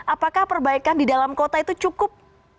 apakah perbaikan di dalam kota itu cukup